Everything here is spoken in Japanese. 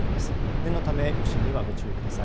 念のため余震にはご注意ください。